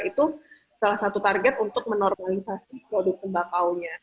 itu salah satu target untuk menormalisasi produk tembakau nya